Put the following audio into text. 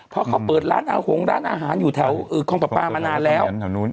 เพราะเขาเปิดร้านอาหารร้านอาหารอยู่แถวคลองประปามานานแล้ว